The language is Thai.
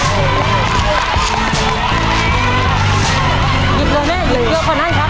หยิบเลยแม่หยิบเยอะกว่านั้นครับ